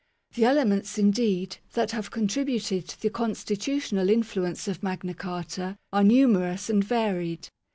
The elements,, indeed, that have contributed to the constitutional influence of Magna Carta are numerous and varied.